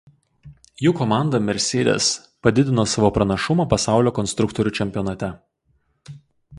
Jų komanda Mercedes padidino savo pranašumą pasaulio konstruktorių čempionate.